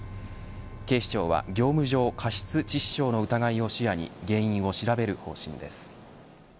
警視庁は業務上過失致死傷の疑いを視野に原因を調べる方針です。